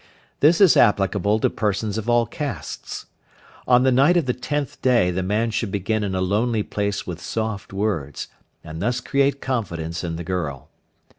This is applicable to persons of all castes. On the night of the tenth day the man should begin in a lonely place with soft words, and thus create confidence in the girl.